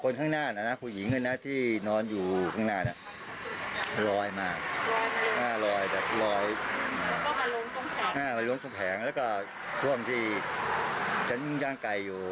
แล้วก็ทรวมที่ฉันย่างไกลอยู่